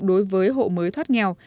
đối với hộ mới thoát nghèo